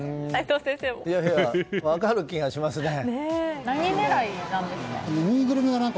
分かる気がしますね。